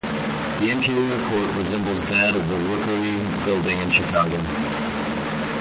The interior court resembles that of the Rookery Building in Chicago.